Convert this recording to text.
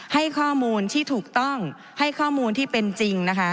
ให้ข้อมูลที่ถูกต้องให้ข้อมูลที่เป็นจริงนะคะ